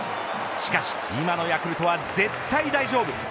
しかし今のヤクルトは絶対大丈夫。